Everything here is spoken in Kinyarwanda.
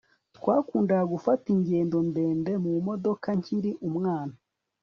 Twakundaga gufata ingendo ndende mumodoka nkiri umwana